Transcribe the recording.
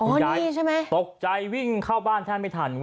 อ๋อนี่ใช่ไหมคุณยายตกใจวิ่งเข้าบ้านแทบไม่ทัน